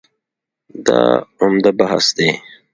دا عمده بحث دی.